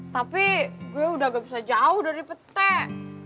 tapi gue udah gak bisa jauh dari pete